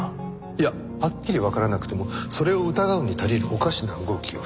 いやはっきりわからなくともそれを疑うに足りるおかしな動きをしてたか？